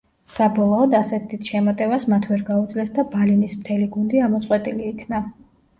საბოლოოდ, ასეთ დიდ შემოტევას მათ ვერ გაუძლეს და ბალინის მთელი გუნდი ამოწყვეტილი იქნა.